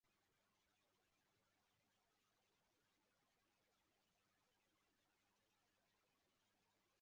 Umuhungu ufite ubururu yicaye hamwe numuhungu muri cape ya orange